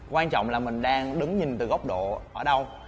quan trọng là mình đang đứng nhìn từ góc độ ở đâu